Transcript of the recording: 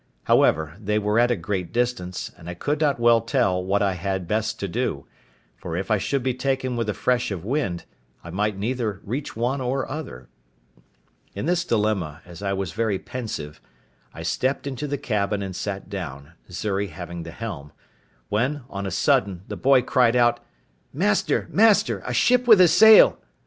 However, they were at a great distance, and I could not well tell what I had best to do; for if I should be taken with a fresh of wind, I might neither reach one or other. In this dilemma, as I was very pensive, I stepped into the cabin and sat down, Xury having the helm; when, on a sudden, the boy cried out, "Master, master, a ship with a sail!"